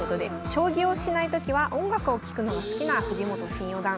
将棋をしない時は音楽を聴くのが好きな藤本新四段。